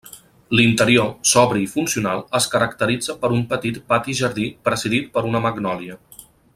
L'interior, sobri i funcional, es caracteritza per un petit pati-jardí presidit per una magnòlia.